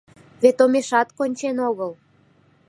Вет омешат кончен огыл!